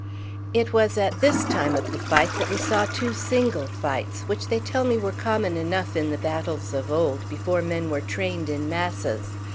It was at this time of the fight that we saw two single fights, which they tell me were common enough in the battles of old, before men were trained in masses.